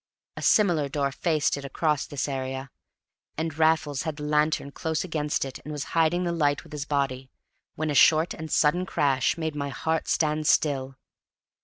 A similar door faced it across this area, and Raffles had the lantern close against it, and was hiding the light with his body, when a short and sudden crash made my heart stand still.